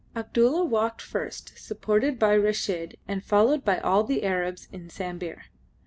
Abdulla walked first, supported by Reshid and followed by all the Arabs in Sambir.